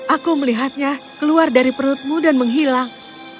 aku melihatnya keluar dari perutmu dan menghilang